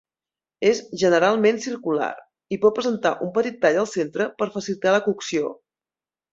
És generalment circular, i pot presentar un petit tall al centre per facilitar la cocció.